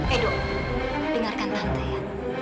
edu dengarkan tante ya